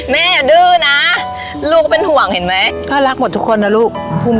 ดื้อนะลูกก็เป็นห่วงเห็นไหมก็รักหมดทุกคนนะลูก